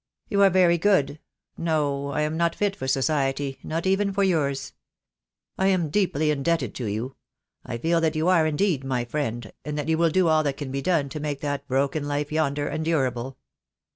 "You are very good. No, I am not fit for society, not even for yours. I am deeply indebted to you — I feel that you are indeed my friend — and that you will do all that can be done to make that broken life yonder endurable."